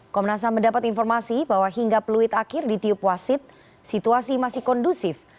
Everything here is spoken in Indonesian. komnas ham mendapat informasi bahwa hingga peluit akhir ditiup wasit situasi masih kondusif